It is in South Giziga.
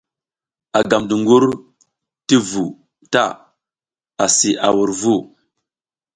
A gam dungur ti vu ta asi a wur vu.